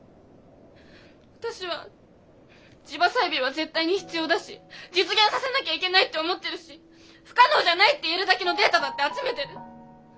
私は地場採苗は絶対に必要だし実現させなぎゃいけないって思ってるし不可能じゃないって言えるだけのデータだって集めてる。